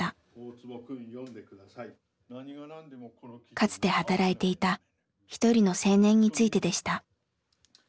かつて働いていた一人の青年についてでした。